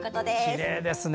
きれいですね。